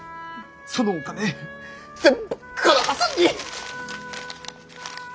そのお金全部我那覇さんに。